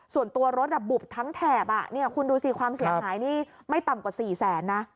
ส่วนตัวรถบุบทั้งแถบคุณดูสิความเสียหายนี่ไม่ต่ำกว่า๔แสนนะ